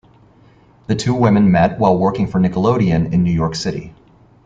The two women met while working for Nickelodeon in New York City.